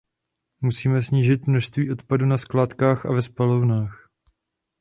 Musíme snížit množství odpadu na skládkách a ve spalovnách.